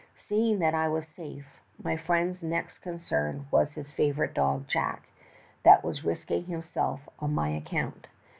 "Seeing that I was safe, my friend's next concern was for his favorite dog. Jack, that was risking himself on my account.